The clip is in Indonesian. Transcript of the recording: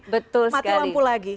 mati lampu lagi